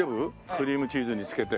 クリームチーズにつけて。